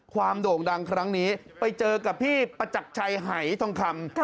โด่งดังครั้งนี้ไปเจอกับพี่ประจักรชัยหายทองคำ